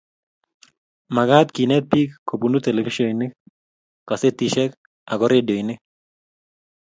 magaat keenet biik kobun televishionishek, kasetishek ago redionik